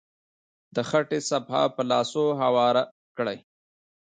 د خټې صفحه په لاسو هواره کړئ.